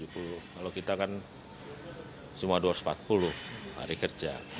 kalau kita kan cuma dua ratus empat puluh hari kerja